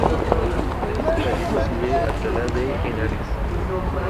Pertenece a la diócesis de Alcalá de Henares.